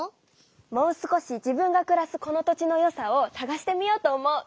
もう少し自分がくらすこの土地の良さをさがしてみようと思う！